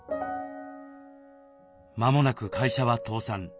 まもなく会社は倒産。